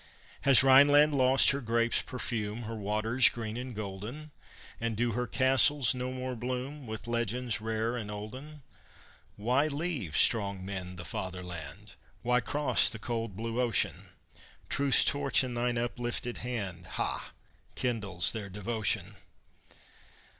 Has Rhineland lost her grape's perfume, Her waters green and golden? And do her castles no more bloom With legends rare and olden? Why leave, strong men, the Fatherland? Why cross the cold blue ocean? Truth's torch in thine uplifted hand, Ha! kindles their devotion.